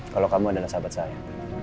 kalau kamu adalah sahabat saya